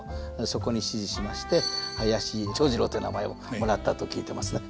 そこに師事しまして林長二郎という名前をもらったと聞いてますね。